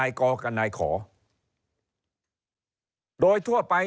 เริ่มตั้งแต่หาเสียงสมัครลง